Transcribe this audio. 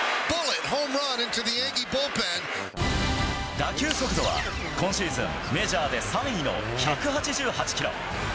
打球速度は今シーズン、メジャーで３位の１８８キロ。